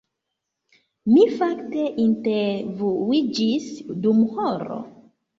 Mi fakte intervuiĝis dum horo